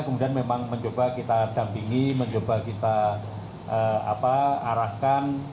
kemudian memang mencoba kita dampingi mencoba kita arahkan